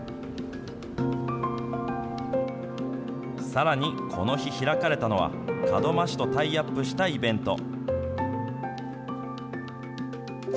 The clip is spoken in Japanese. さらに、この日開かれたのは、門真市とタイアップしたイベント。